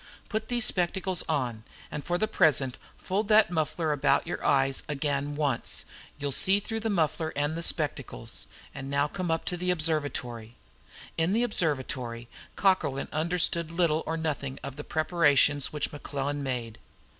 "Put these spectacles on, and for the present fold that muffler about your eyes again once. You'll see through both muffler and spectacles. And now come up to the observatory." In the observatory, Cockerlyne understood little or nothing of the preparations which Mequillen made.